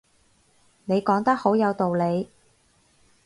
你講得好有道理